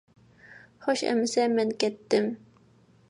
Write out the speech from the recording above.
خوش ئەمىسە، مەن كەتتىم!